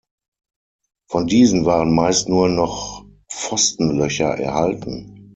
Von diesen waren meist nur noch Pfostenlöcher erhalten.